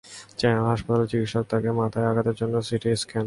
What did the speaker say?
General হাসপাতালে চিকিৎসক তাঁকে মাথায় আঘাতের জন্য সিটি স্ক্যান করার পরামর্শ দেন।